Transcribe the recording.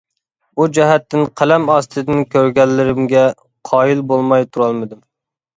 بۇ جەھەتتىن قەلەم ئاستىدىن كۆرگەنلىرىمگە قايىل بولماي تۇرالمىدىم.